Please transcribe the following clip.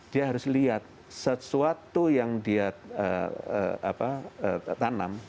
dia harus lihat sesuatu yang dia tanam